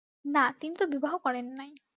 না, তিনি তো বিবাহ করেন নাই।